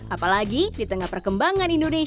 apalagi di tengah perkembangan indonesia